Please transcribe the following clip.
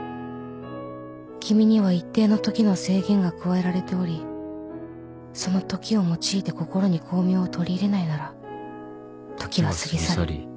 「君には一定の時の制限が加えられておりその時を用いて心に光明を取り入れないなら時は過ぎ去り君も過ぎ去り」